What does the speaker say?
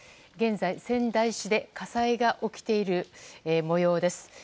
現在、仙台市で火災が起きている模様です。